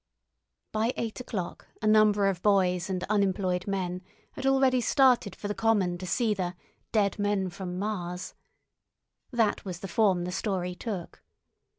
By eight o'clock a number of boys and unemployed men had already started for the common to see the "dead men from Mars." That was the form the story took.